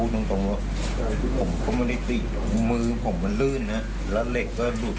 ตอนนั้นเรามีสติไหมครับ